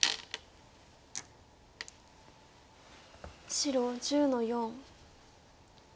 白１０の四。